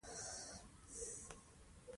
له ازله خدای په قهر را کتلي